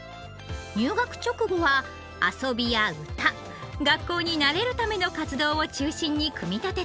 入学直後は遊びや歌学校に慣れるための活動を中心に組み立てています。